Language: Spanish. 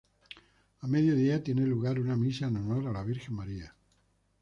A medio día tiene lugar una misa en Honor a la Virgen María.